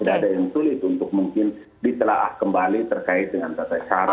tidak ada yang sulit untuk mungkin ditelaah kembali terkait dengan tata cara